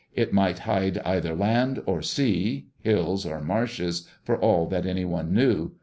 It might hide either land or sea, hills or marshes, for all that anyone knew.